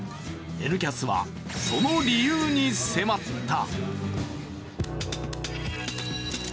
「Ｎキャス」はその理由に迫った。